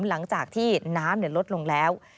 หลังจากที่น้ำลดลงแล้ว